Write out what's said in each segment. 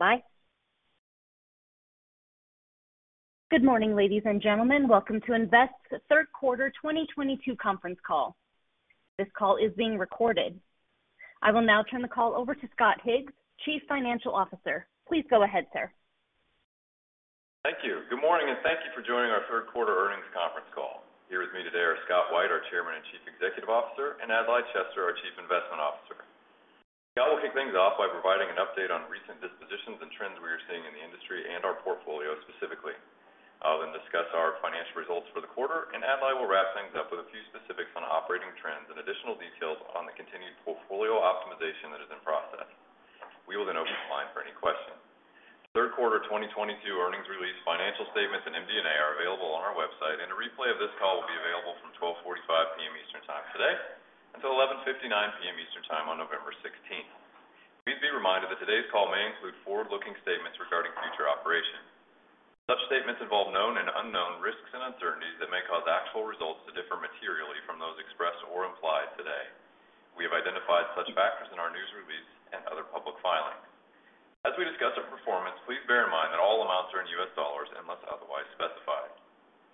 Please stand by. Good morning, ladies and gentlemen. Welcome to Invesque's third quarter 2022 conference call. This call is being recorded. I will now turn the call over to Scott Higgs, Chief Financial Officer. Please go ahead, sir. Thank you. Good morning, and thank you for joining our third quarter earnings conference call. Here with me today are Scott White, our Chairman and Chief Executive Officer, and Adlai Chester, our Chief Investment Officer. Adlai will kick things off by providing an update on recent dispositions and trends we are seeing in the industry and our portfolio specifically. I'll then discuss our financial results for the quarter, and Adlai will wrap things up with a few specifics on operating trends and additional details on the continued portfolio optimization that is in process. We will then open the line for any questions. Third quarter 2022 earnings release, financial statements, and MD&A are available on our website, and a replay of this call will be available from 12:45 P.M. Eastern Time today until 11:59 P.M. Eastern Time on November 16. Please be reminded that today's call may include forward-looking statements regarding future operations. Such statements involve known and unknown risks and uncertainties that may cause actual results to differ materially from those expressed or implied today. We have identified such factors in our news release and other public filings. As we discuss our performance, please bear in mind that all amounts are in US dollars unless otherwise specified.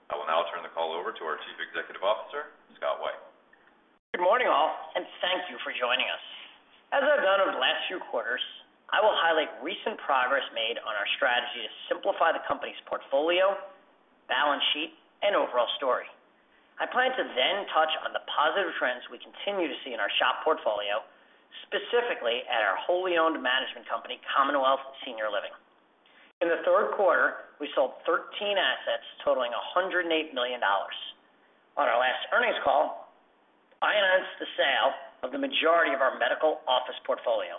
I will now turn the call over to our Chief Executive Officer, Scott White. Good morning, all, and thank you for joining us. As I've done over the last few quarters, I will highlight recent progress made on our strategy to simplify the company's portfolio, balance sheet, and overall story. I plan to then touch on the positive trends we continue to see in our SHOP portfolio, specifically at our wholly owned management company, Commonwealth Senior Living. In the third quarter, we sold 13 assets totaling $108 million. On our last earnings call, I announced the sale of the majority of our medical office portfolio.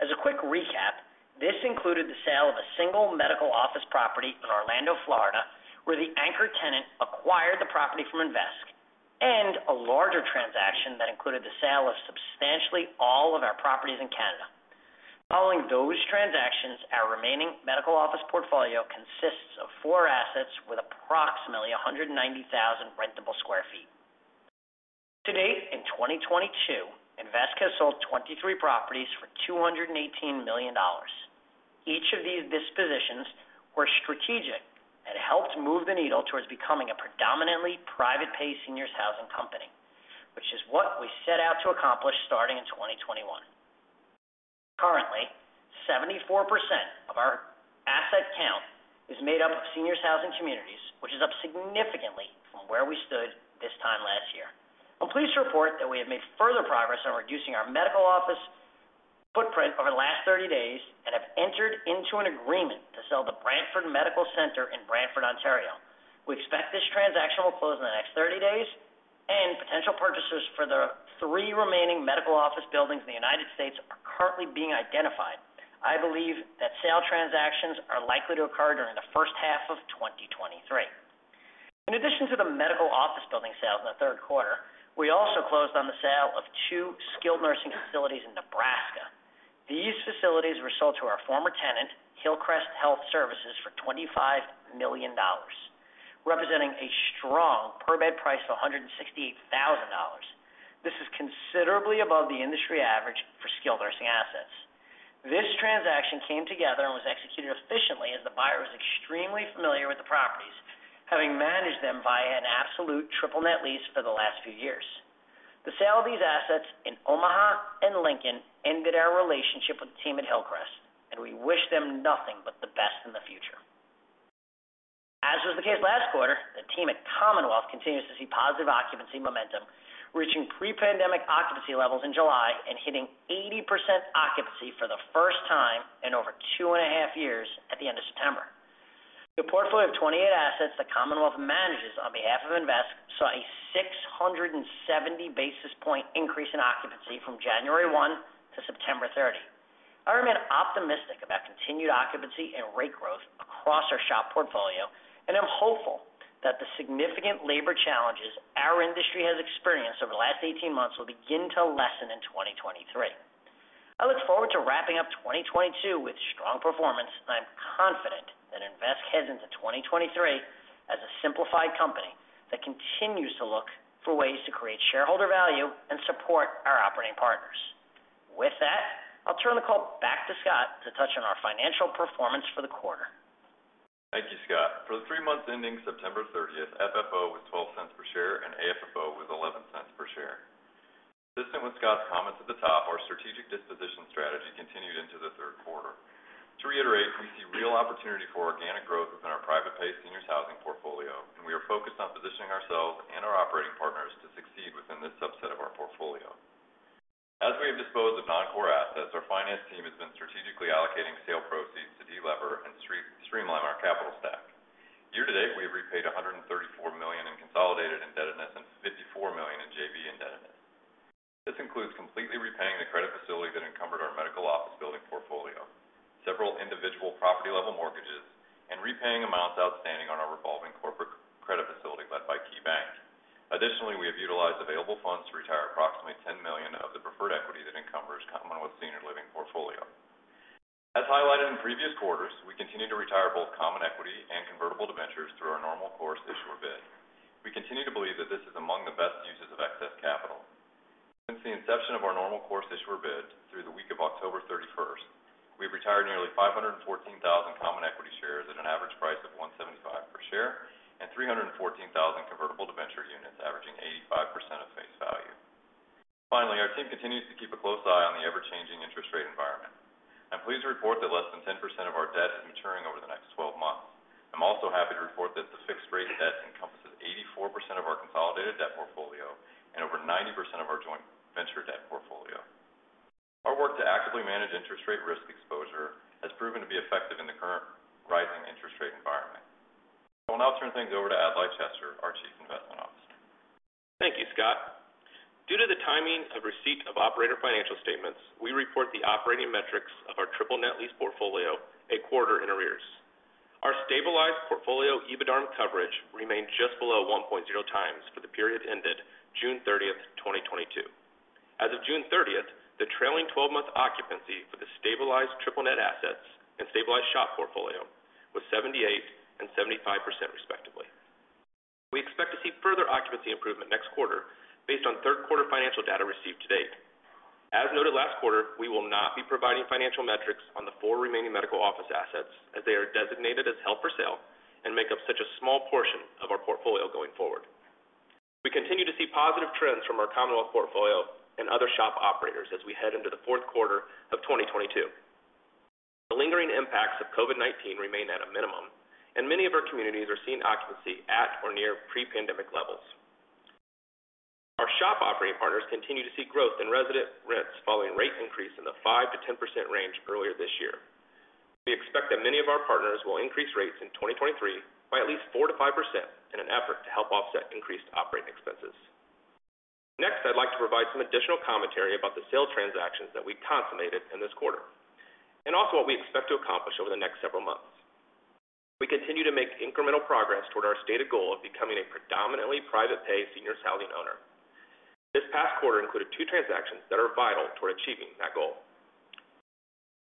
As a quick recap, this included the sale of a single medical office property in Orlando, Florida, where the anchor tenant acquired the property from Invesque, and a larger transaction that included the sale of substantially all of our properties in Canada. Following those transactions, our remaining medical office portfolio consists of four assets with approximately 190,000 rentable sq ft. To date, in 2022, Invesque has sold 23 properties for $218 million. Each of these dispositions were strategic and helped move the needle towards becoming a predominantly private pay seniors housing company, which is what we set out to accomplish starting in 2021. Currently, 74% of our asset count is made up of seniors housing communities, which is up significantly from where we stood this time last year. I'm pleased to report that we have made further progress on reducing our medical office footprint over the last 30 days and have entered into an agreement to sell the Brantford Medical Centre in Brantford, Ontario. We expect this transaction will close in the next 30 days, and potential purchasers for the three remaining medical office buildings in the United States are currently being identified. I believe that sale transactions are likely to occur during the first half of 2023. In addition to the medical office building sales in the third quarter, we also closed on the sale of two skilled nursing facilities in Nebraska. These facilities were sold to our former tenant, Hillcrest Health Services, for $25 million, representing a strong per bed price of $168,000. This is considerably above the industry average for skilled nursing assets. This transaction came together and was executed efficiently as the buyer was extremely familiar with the properties, having managed them via an absolute triple net lease for the last few years. The sale of these assets in Omaha and Lincoln ended our relationship with the team at Hillcrest, and we wish them nothing but the best in the future. As was the case last quarter, the team at Commonwealth continues to see positive occupancy momentum, reaching pre-pandemic occupancy levels in July and hitting 80% occupancy for the first time in over two and a half years at the end of September. The portfolio of 28 assets that Commonwealth manages on behalf of Invesque saw a 670 basis point increase in occupancy from January 1 to September 30. I remain optimistic about continued occupancy and rate growth across our SHOP portfolio, and I'm hopeful that the significant labor challenges our industry has experienced over the last 18 months will begin to lessen in 2023. I look forward to wrapping up 2022 with strong performance. I'm confident that Invesque heads into 2023 as a simplified company that continues to look for ways to create shareholder value and support our operating partners. With that, I'll turn the call back to Scott to touch on our financial performance for the quarter. Thank you, Scott. For the three months ending September thirtieth, FFO was $0.12 per share and AFFO was $0.11 per share. Consistent with Scott's comments at the top, our strategic disposition strategy continued into the third quarter. To reiterate, we see real opportunity for organic growth within our private pay seniors housing portfolio, and we are focused on positioning ourselves and our operating partners to succeed within this subset of our portfolio. As we have disposed of non-core assets, our finance team has been strategically allocating sale proceeds to delever and streamline our capital stack. Year-to-date, we have repaid $134 million in consolidated indebtedness and $54 million in JV indebtedness. This includes completely repaying the credit facility that encumbered our medical office building portfolio, several individual property-level mortgages, and repaying amounts outstanding on our revolving corporate credit facility led by KeyBank. We have utilized available funds to retire approximately $10 million of the preferred equity that encumbers Commonwealth Senior Living portfolio. As highlighted in previous quarters, we continue to retire both common equity and convertible debentures through our normal course issuer bid. Inception of our normal course issuer bid through the week of October 31st, we've retired nearly 514,000 common equity shares at an average price of $1.75 per share and 314,000 convertible debenture units averaging 85% of face value. Finally, our team continues to keep a close eye on the ever-changing interest rate environment. I'm pleased to report that less than 10% of our debt is maturing over the next 12 months. I'm also happy to report that the fixed rate debt encompasses 84% of our consolidated debt portfolio and over 90% of our joint venture debt portfolio. Our work to actively manage interest rate risk exposure has proven to be effective in the current rising interest rate environment. I will now turn things over to Adlai Chester, our Chief Investment Officer. Thank you, Scott. Due to the timing of receipt of operator financial statements, we report the operating metrics of our triple net lease portfolio a quarter in arrears. Our stabilized portfolio EBITDARM coverage remained just below 1.0x for the period ended June 30th, 2022. As of June 30th, the trailing 12-month occupancy for the stabilized triple net assets and stabilized SHOP portfolio was 78% and 75% respectively. We expect to see further occupancy improvement next quarter based on third quarter financial data received to date. As noted last quarter, we will not be providing financial metrics on the four remaining medical office assets as they are designated as held for sale and make up such a small portion of our portfolio going forward. We continue to see positive trends from our Commonwealth portfolio and other SHOP operators as we head into the fourth quarter of 2022. The lingering impacts of COVID-19 remain at a minimum, and many of our communities are seeing occupancy at or near pre-pandemic levels. Our SHOP operating partners continue to see growth in resident rents following rate increase in the 5%-10% range earlier this year. We expect that many of our partners will increase rates in 2023 by at least 4%-5% in an effort to help offset increased operating expenses. Next, I'd like to provide some additional commentary about the sales transactions that we consummated in this quarter, and also what we expect to accomplish over the next several months. We continue to make incremental progress toward our stated goal of becoming a predominantly private pay senior housing owner. This past quarter included two transactions that are vital toward achieving that goal.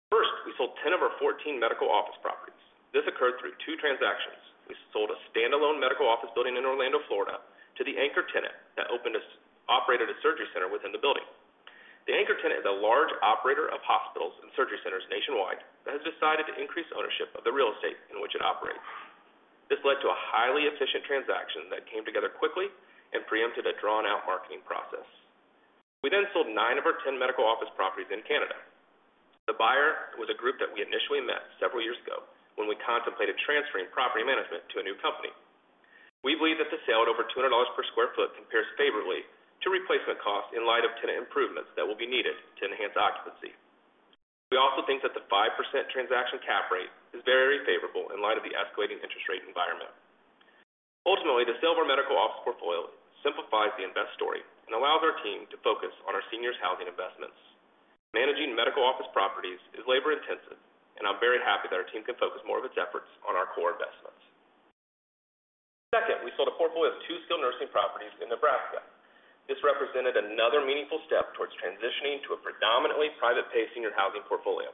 First, we sold 10 of our 14 medical office properties. This occurred through two transactions. We sold a standalone medical office building in Orlando, Florida, to the anchor tenant that operated a surgery center within the building. The anchor tenant is a large operator of hospitals and surgery centers nationwide that has decided to increase ownership of the real estate in which it operates. This led to a highly efficient transaction that came together quickly and preempted a drawn-out marketing process. We then sold nine of our 10 medical office properties in Canada. The buyer was a group that we initially met several years ago when we contemplated transferring property management to a new company. We believe that the sale at over $200 per sq ft compares favorably to replacement costs in light of tenant improvements that will be needed to enhance occupancy. We also think that the 5% transaction cap rate is very favorable in light of the escalating interest rate environment. Ultimately, the sale of our medical office portfolio simplifies the Invesque story and allows our team to focus on our seniors housing investments. Managing medical office properties is labor-intensive, and I'm very happy that our team can focus more of its efforts on our core investments. Second, we sold a portfolio of two skilled nursing properties in Nebraska. This represented another meaningful step towards transitioning to a predominantly private pay senior housing portfolio.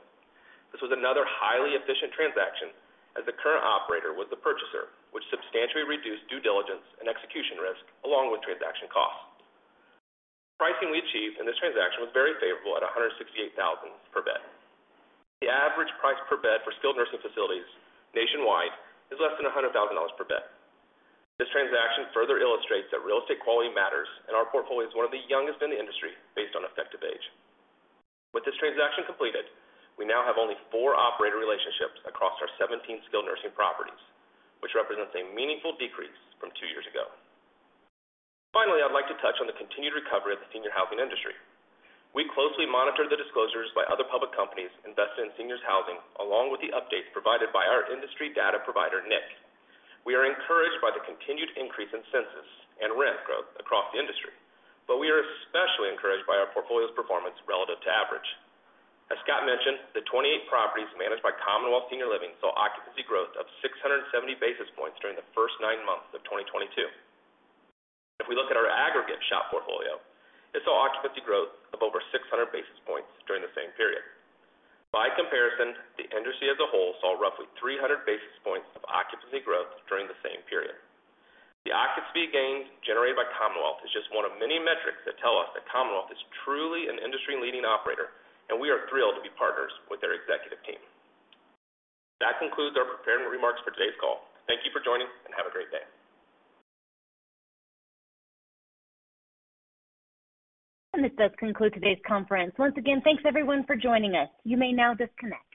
This was another highly efficient transaction as the current operator was the purchaser, which substantially reduced due diligence and execution risk along with transaction costs. The pricing we achieved in this transaction was very favorable at $168,000 per bed. The average price per bed for skilled nursing facilities nationwide is less than $100,000 per bed. This transaction further illustrates that real estate quality matters, and our portfolio is one of the youngest in the industry based on effective age. With this transaction completed, we now have only four operator relationships across our 17 skilled nursing properties, which represents a meaningful decrease from two years ago. Finally, I'd like to touch on the continued recovery of the senior housing industry. We closely monitor the disclosures by other public companies invested in seniors housing, along with the updates provided by our industry data provider, NIC. We are encouraged by the continued increase in census and rent growth across the industry, but we are especially encouraged by our portfolio's performance relative to average. As Scott mentioned, the 28 properties managed by Commonwealth Senior Living saw occupancy growth of 670 basis points during the first nine months of 2022. If we look at our aggregate SHOP portfolio, it saw occupancy growth of over 600 basis points during the same period. By comparison, the industry as a whole saw roughly 300 basis points of occupancy growth during the same period. The occupancy gains generated by Commonwealth is just one of many metrics that tell us that Commonwealth is truly an industry-leading operator, and we are thrilled to be partners with their executive team. That concludes our prepared remarks for today's call. Thank you for joining, and have a great day. This does conclude today's conference. Once again, thanks everyone for joining us. You may now disconnect.